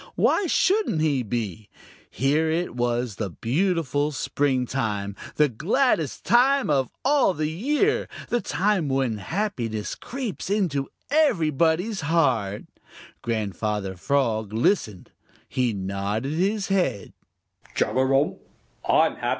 Why shouldn't he be? Here it was the beautiful springtime, the gladdest time of all the year, the time when happiness creeps into everybody's heart. Grandfather Frog listened. He nodded his head.